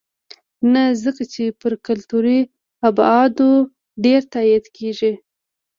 نه ځکه چې پر کلتوري ابعادو ډېر تاکید کېږي.